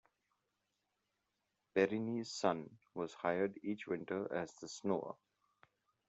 Perrine's son was hired each winter as the "snower".